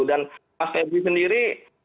dan mas bbri sendiri